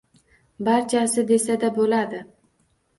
Barchasi desa-da bo‘ladi!